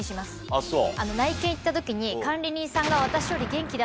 あっそう。